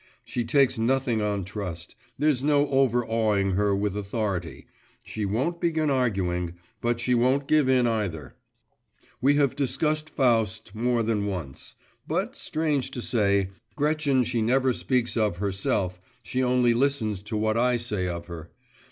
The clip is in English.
She takes nothing on trust; there's no overawing her with authority; she won't begin arguing; but she won't give in either. We have discussed Faust more than once; but, strange to say, Gretchen she never speaks of, herself, she only listens to what I say of her.